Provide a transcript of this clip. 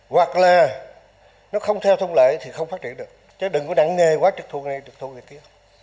hoặc là nó không theo thông lệ thì không phát triển được chứ đừng có nặng nghề quá trực thu này trực thu kia kia